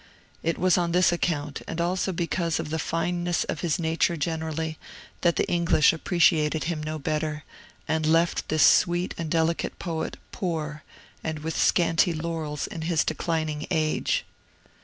It was on this account, and also because of the fineness of his nature generally, that the English appreciated him no better, and left this sweet and delicate poet poor, and with scanty laurels in his declining age.